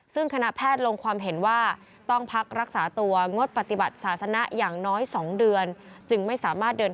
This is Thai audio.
ซึ่งคณะแพทย์ลงความเห็นว่า